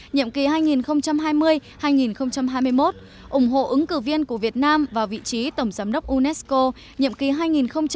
nhiệm kỳ hai nghìn hai mươi hai nghìn hai mươi một ủng hộ ứng cử viên của việt nam vào vị trí tổng giám đốc unesco nhiệm kỳ hai nghìn hai mươi hai nghìn hai mươi năm